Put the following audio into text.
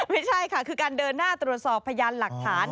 ไม่ใช่ค่ะคือการเดินหน้าตรวจสอบพยานหลักฐาน